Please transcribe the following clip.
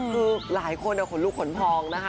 คือหลายคนขนลุกขนพองนะคะ